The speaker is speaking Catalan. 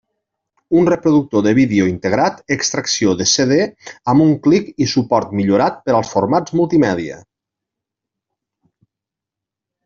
Un reproductor de vídeo integrat, extracció de CD amb un clic i suport millorat per als formats multimèdia.